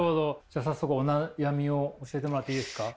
じゃあ早速お悩みを教えてもらっていいですか？